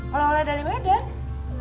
oleh oleh dari medan